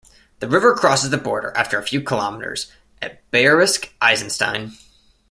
The river crosses the border after a few kilometres, at Bayerisch Eisenstein.